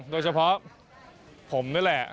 โดยเฉพาะผมนี่แหละ